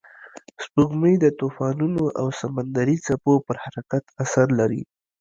سپوږمۍ د طوفانونو او سمندري څپو پر حرکت اثر لري